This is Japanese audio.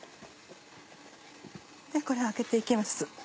これをあけて行きます。